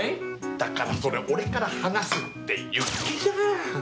だからそれ俺から話すっていったじゃん。